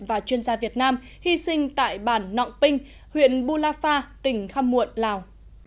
và chuyên gia việt nam hy sinh tại bản nọng pinh huyện bù la pha tỉnh kham muộn lào